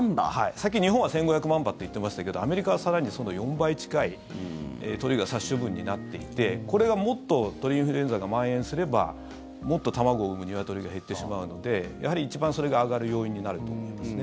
さっき、日本は１５００万羽って言ってましたがアメリカは更にその４倍近い鶏が殺処分になっていてこれがもっと鳥インフルエンザがまん延すればもっと卵を産むニワトリが減ってしまうのでやはり一番それが上がる要因になると思いますね。